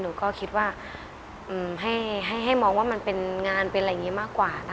หนูก็คิดว่าให้มองว่ามันเป็นงานเป็นอะไรอย่างนี้มากกว่านะคะ